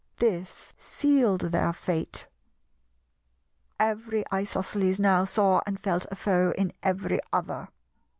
This sealed their fate. Every Isosceles now saw and felt a foe in every other.